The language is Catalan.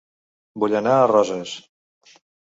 Vull anar a Roses